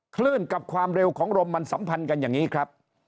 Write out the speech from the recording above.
คลื่นกับความเร็วของลมมันสัมพันธ์กันอย่างนี้ครับ